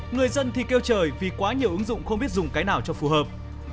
người dân thì kêu trời vì quá nhiều ứng dụng không biết dùng cái nào cho phù hợp